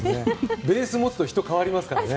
ベースを持つと人が変わりますからね。